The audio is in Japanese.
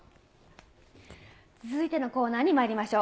続いてのコーナーにまいりましょう。